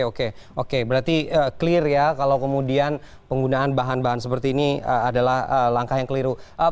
oke oke berarti clear ya kalau kemudian penggunaan bahan bahan seperti ini adalah langkah yang keliru